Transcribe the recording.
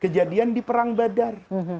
kejadian di perang badar